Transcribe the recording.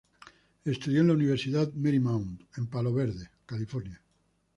Estudió en la Universidad Marymount en Palos Verdes, California.